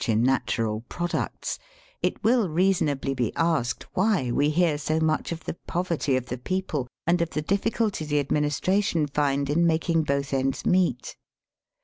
331 in natural products, it will reasonably be asked why we bear so much of the poverty of the people and of the difficulty the admin ^ istration find in making both ends meet.